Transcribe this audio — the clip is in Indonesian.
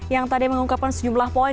yang tadi mengungkapkan sejumlah poin